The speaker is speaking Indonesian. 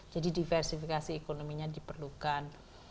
jadi diversifikasi ekonominya diperlukan